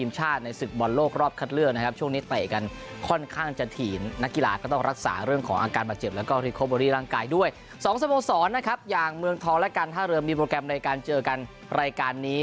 จะมีโปรแกรมในการเจอกันรายการนี้